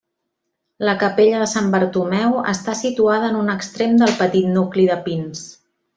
La capella de Sant Bartomeu està situada en un extrem del petit nucli de Pins.